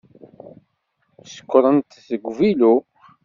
Ssukren-t deg uvilu.